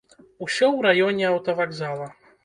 Усё ў раёне аўтавакзала.